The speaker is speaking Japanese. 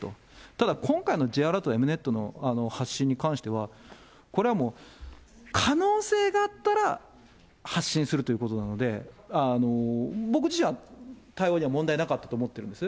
ただ、今回のＪアラート、エムネットの発信に関しては、これはもう可能性があったら発信するということなので、僕自身は対応には問題なかったと思ってるんです。